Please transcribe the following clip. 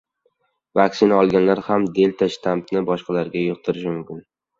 Vaksina olganlar ham delta shtammni boshqalarga yuqtirishi mumkin